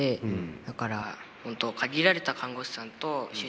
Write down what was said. だから本当限られた看護師さんと主治医の先生しか。